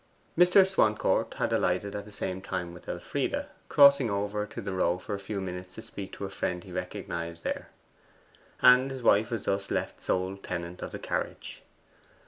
Mr. Swancourt had alighted at the same time with Elfride, crossing over to the Row for a few minutes to speak to a friend he recognized there; and his wife was thus left sole tenant of the carriage.